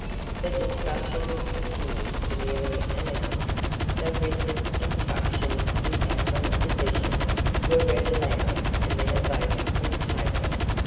The discussion was continued for nearly an hour, the written instructions in Katherine's possession were read aloud and then a vote was taken.